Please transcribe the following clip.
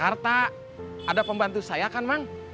ada pembantu saya kan mang